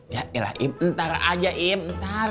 ya iya im ntar aja im ntar